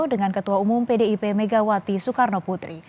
dengan ketua umum pdip megawati soekarno putri